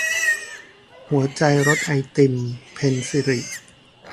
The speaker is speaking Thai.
หัวใจรสไอติม - เพ็ญศิริ